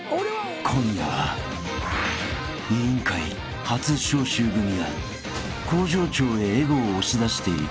［今夜は『委員会』初招集組が向上長へエゴを押し出していく］